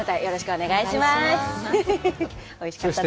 おいしかったなあ。